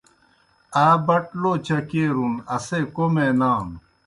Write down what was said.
آ بٹ لو چکیرُن اسے کوْمے نانوْ۔